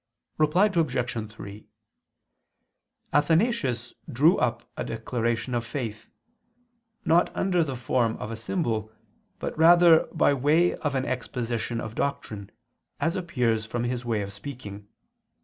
Reply Obj. 3: Athanasius drew up a declaration of faith, not under the form of a symbol, but rather by way of an exposition of doctrine, as appears from his way of speaking.